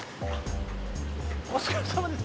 お疲れさまです。